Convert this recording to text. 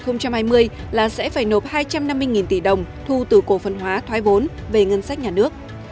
tương tự cổ phần hóa thoái vốn phải đạt được khoảng năm mươi tỷ đồng thu từ cổ phần hóa thoái vốn về ngân sách nhà nước